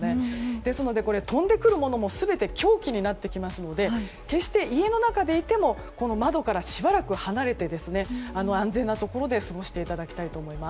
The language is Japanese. ですので飛んでくるものも全て凶器になってきますので決して家の中にいても窓からしばらく離れて安全なところで過ごしていただきたいと思います。